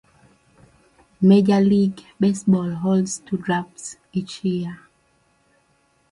Major League Baseball holds two drafts each year.